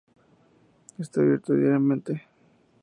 Está abierto diariamente.